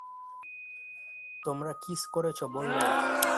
তোমরা কিস করেছো বললে?